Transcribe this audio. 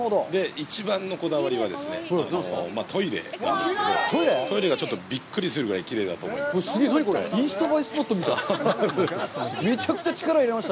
一番のこだわりはですね、トイレなんですけど、トイレがちょっとびっくりするぐらいきれいだと思います。